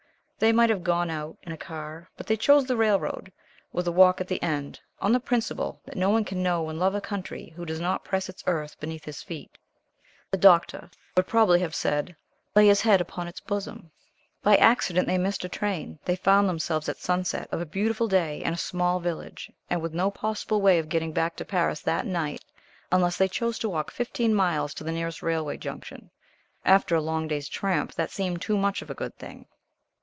They might have gone out in a car but they chose the railroad, with a walk at the end on the principle that no one can know and love a country who does not press its earth beneath his feet, the Doctor would probably have said, "lay his head upon its bosom." By an accident they missed a train they found themselves at sunset of a beautiful day in a small village, and with no possible way of getting back to Paris that night unless they chose to walk fifteen miles to the nearest railway junction. After a long day's tramp that seemed too much of a good thing.